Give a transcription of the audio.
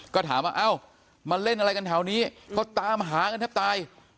ก็ถามว่ามาเล่นอะไรแถวนี้เค้าตามหากันเท่าไหร่